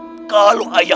tidak mempunyai hati nurani